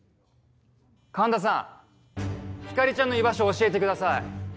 神田さん光莉ちゃんの居場所を教えてください。